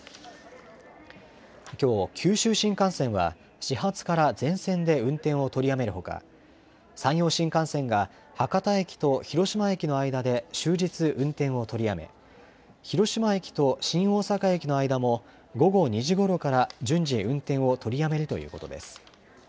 きょう九州新幹線は始発から全線で運転を取りやめるほか、山陽新幹線が博多駅と広島駅の間で終日運転を取りやめ、広島駅と新大阪駅の間も午後２時頃から順次運転を取りやめるということです。